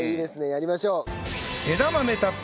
やりましょう。